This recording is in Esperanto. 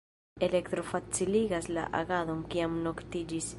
Elektro faciligas la agadon, kiam noktiĝis.